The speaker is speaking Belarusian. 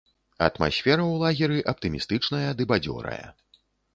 Атмасфера ў лагеры аптымістычная ды бадзёрая.